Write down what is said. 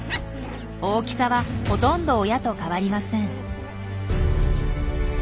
大きさはほとんど親と変わりません。